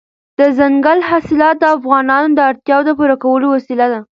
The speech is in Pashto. دځنګل حاصلات د افغانانو د اړتیاوو د پوره کولو وسیله ده.